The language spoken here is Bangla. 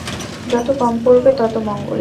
যত কম পড়বে, তত মঙ্গল।